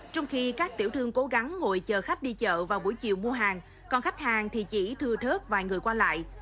trong khi các tiểu thương cố gắng ngồi chờ khách đi chợ vào buổi chiều mua hàng còn khách hàng thì chỉ thưa thớt vài người qua lại